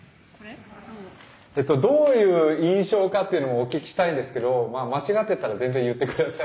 えっとどういう印象かっていうのをお聞きしたいんですけど間違ってたら全然言って下さい。